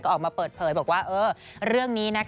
ก็ออกมาเปิดเผยบอกว่าเออเรื่องนี้นะคะ